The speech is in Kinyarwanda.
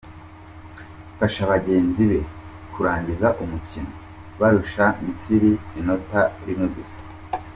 Afasha bagenzi be kurangiza umukino barusha Misiri inota rimwe gusa.